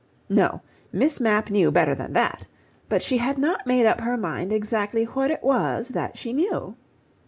No; Miss Mapp knew better than that, but she had not made up her mind exactly what it was that she knew.